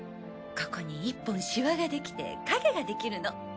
ここに１本シワができて影ができるの。